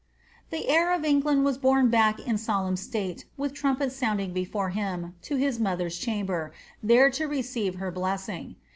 The heir of England was borne back in solemn state, with trumpets sounding before him, to his mother's chamber, there to receive her blessing.